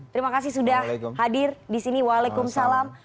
terima kasih sudah hadir di sini waalaikumsalam